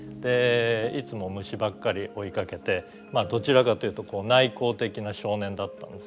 いつも虫ばっかり追いかけてどちらかというと内向的な少年だったんです。